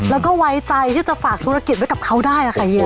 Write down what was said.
แล้วก็ไว้ใจที่จะฝากธุรกิจไว้กับเขาได้ค่ะเฮีย